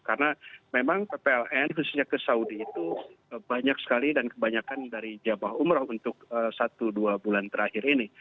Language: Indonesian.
karena memang ppln khususnya ke saudi itu banyak sekali dan kebanyakan dari jabah umroh untuk satu dua bulan terakhir ini